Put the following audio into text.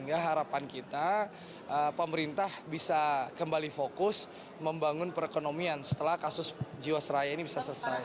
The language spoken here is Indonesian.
ataupun kerugian jiwasraya